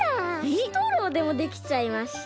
ストローでもできちゃいました。